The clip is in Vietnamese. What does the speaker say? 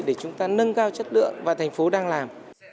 để chúng ta nâng cao chất lượng và thành phố đang làm